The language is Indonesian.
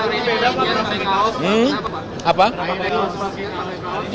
pak ini harus siap pakai kaos